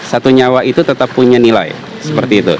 satu nyawa itu tetap punya nilai